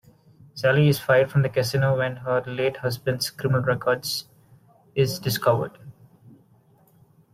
Sally is fired from the casino when her late husband's criminal record is discovered.